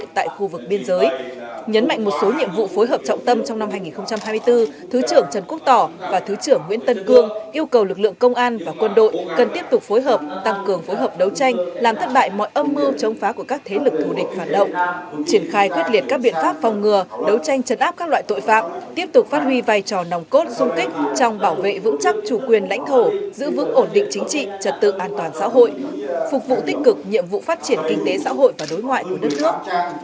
trần quốc tỏ và thứ trưởng nguyễn tân cương yêu cầu lực lượng công an và quân đội cần tiếp tục phối hợp tăng cường phối hợp đấu tranh làm thất bại mọi âm mưu chống phá của các thế lực thù địch phản động triển khai quyết liệt các biện pháp phòng ngừa đấu tranh trấn áp các loại tội phạm tiếp tục phát huy vai trò nòng cốt sung kích trong bảo vệ vững chắc chủ quyền lãnh thổ giữ vững ổn định chính trị trật tự an toàn xã hội phục vụ tích cực nhiệm vụ phát triển kinh tế xã hội và đối ngoại của đất nước